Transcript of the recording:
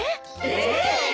ええ！